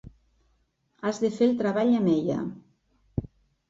Has de fer el treball amb ella.